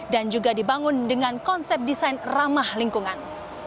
dan juga dibangun dengan konsep desain ramah lingkungan